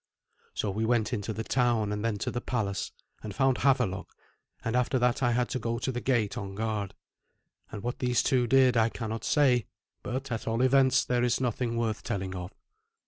So we went into the town, and then to the palace, and found Havelok, and after that I had to go to the gate on guard. And what these two did I cannot say, but, at all events, there is nothing worth telling of.